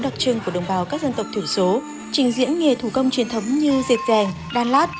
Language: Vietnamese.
đặc trưng của đồng bào các dân tộc thiểu số trình diễn nghề thủ công truyền thống như diệt giàng đan lát